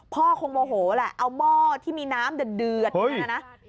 พ่อคงโมโหแหละเอาหม้อที่มีน้ำเดือดเนี่ยนะ